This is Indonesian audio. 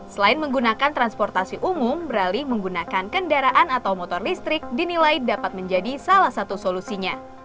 selain menggunakan transportasi umum beralih menggunakan kendaraan atau motor listrik dinilai dapat menjadi salah satu solusinya